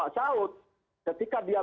saya salut dengan pak saud